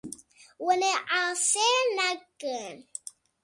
Hûn ê asê nekin.